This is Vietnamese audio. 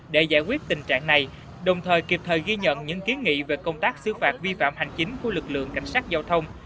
để giải quyết tình trạng này đồng thời kịp thời ghi nhận những kiến nghị về công tác xứ phạt vi phạm hành chính của lực lượng cảnh sát giao thông